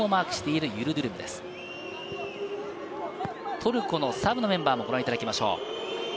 トルコのサブのメンバーもご覧いただきましょう。